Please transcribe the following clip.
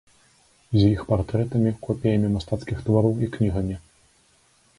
З іх партрэтамі, копіямі мастацкіх твораў і кнігамі.